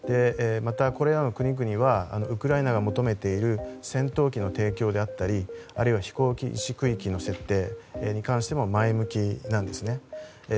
またこれらの国々はウクライナが求めている戦闘機の提供であったりあるいは飛行禁止区域の設定に関しても前向きなんですね。